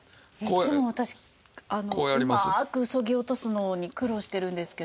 いつも私うまく削ぎ落とすのに苦労してるんですけど。